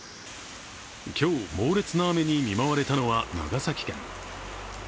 今日、猛烈な雨に見舞われたのは長崎県。